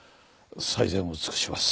最善を尽くします。